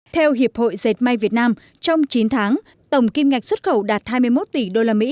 theo hiệp hội dệt may việt nam trong chín tháng tổng kim ngạch xuất khẩu đạt hai mươi một tỷ usd